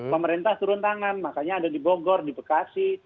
pemerintah turun tangan makanya ada di bogor di bekasi